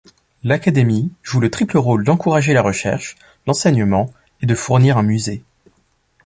L'académie joue le triple rôle d'encourager la recherche, l'enseignement, et de fournir un musée.